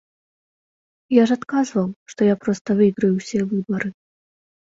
Я ж адказваў, што я проста выйграю ўсе выбары.